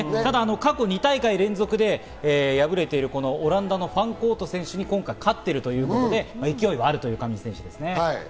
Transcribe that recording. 過去２大会連続で敗れているオランダのファンコート選手に今回、勝っているということで勢いはあるという上地選手です。